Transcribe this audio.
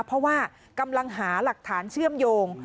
เพราะว่ากำลังหาหลักฐานเชื่อมโยง